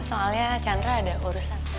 soalnya chandler ada urusan